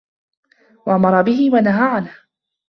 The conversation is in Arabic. وَأَمَرَ بِهِ وَنَهَى عَنْهُ